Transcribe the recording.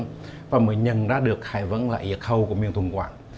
chúa nguyễn hoàng mới nhận ra được hải vân là yếc hâu của miền thùng quảng